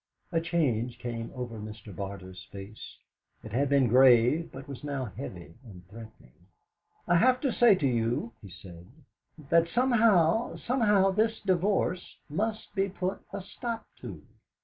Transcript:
A change came over Mr. Barter's face. It had been grave, but was now heavy and threatening. "I have to say to you," he said, "that somehow somehow, this divorce must be put a stop to."